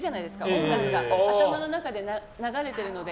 音楽が頭の中で流れているので。